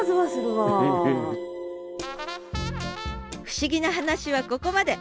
不思議な話はここまで！